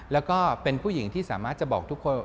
แล้วก็เป็นผู้หญิงที่สามารถจะบอกทุกคน